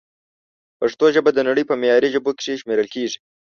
پښتو ژبه د نړۍ په معياري ژبو کښې شمېرل کېږي